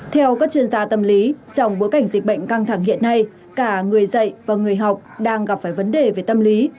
theo các chuyên gia tâm lý trong bối cảnh dịch bệnh căng thẳng hiện nay cả người dạy và người học đang gặp phải vấn đề về tâm lý